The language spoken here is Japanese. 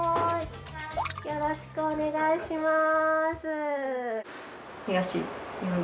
よろしくお願いします。